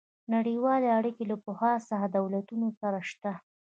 نړیوالې اړیکې له پخوا څخه د دولتونو سره شته